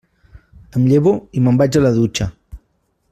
Em llevo i me'n vaig a la dutxa.